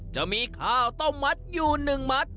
จะมีข้าวเต้ามัดอยู่หนึ่งมัด